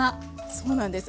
そうなんです